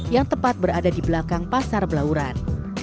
yang tepat berada di belakang pasar belauran